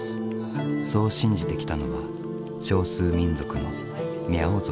そう信じてきたのは少数民族のミャオ族だ。